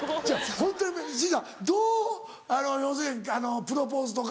ホントにしずちゃんどう要するにプロポーズとか。